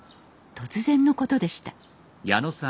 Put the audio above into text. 突然のことでした